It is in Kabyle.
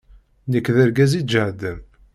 Nekk d argaz iǧehden.